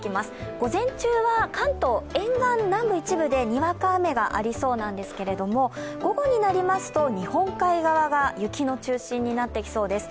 午前中は関東沿岸南部一部でにわか雨がありそうなんですけれども午後になりますと日本海側が雪の中心になってきそうです。